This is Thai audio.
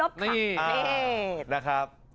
น้องไม่ลบค่ะ